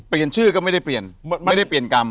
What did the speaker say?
ชื่อก็ไม่ได้เปลี่ยนไม่ได้เปลี่ยนกรรม